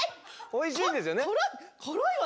おいしいんですよね？